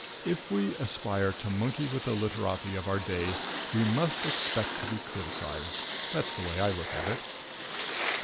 If we aspire to monkey with the literati of our day we must expect to be criticised. That's the way I look at it.